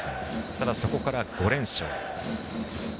ただそこから５連勝。